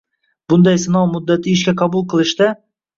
Bunday sinov muddati ishga qabul qilishda